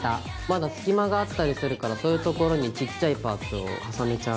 まだ隙間があったりするからそういうところにちっちゃいパーツを重ねちゃう。